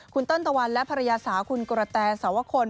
คุณเติ้ลตะวันและภรรยาสาวคุณกระแตสวคล